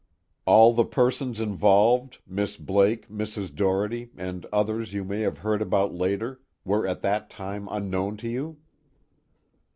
"All the persons involved Miss Blake, Mrs. Doherty, and others you may have heard about later were at that time unknown to you?"